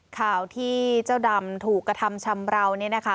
ข่าวที่เจ้าดำถูกกระทำชำราวเนี่ยนะคะ